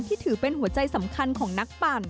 ถือเป็นหัวใจสำคัญของนักปั่น